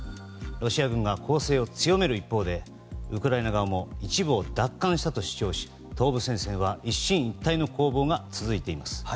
ロシア軍が攻勢を強める一方でウクライナ側も一部を奪還したと主張し東部戦線は一進一退の攻防が続いています。